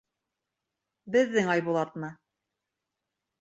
— Беҙҙең Айбулатмы?